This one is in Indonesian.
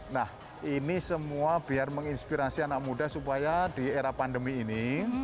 nah ini semua biar menginspirasi anak muda supaya di era pandemi ini